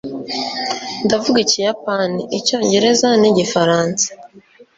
Ndavuga Ikiyapani, Icyongereza, n'Igifaransa.